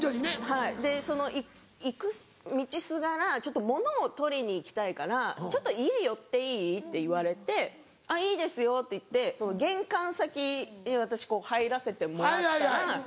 はいで行く道すがら物を取りに行きたいから家寄っていい？って言われていいですよって言って玄関先に私入らせてもらったら。